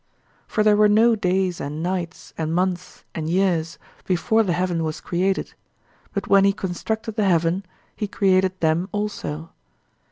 For there were no days and nights and months and years before the heaven was created, but when he constructed the heaven he created them also.